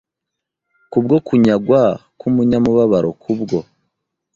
Ku bwo kunyagwa k umunyamubabaro Ku bwo